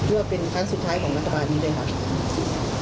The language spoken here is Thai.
เพื่อเป็นครั้งสุดท้ายของรัฐบาลนี้ด้วยครับ